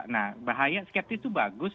nah bahaya skeptis itu bagus